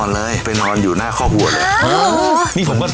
สวัสดีค่ะ